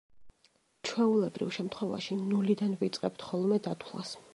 ჩვეულებრივ შემთხვევაში ნულიდან ვიწყებთ ხოლმე დათვლას.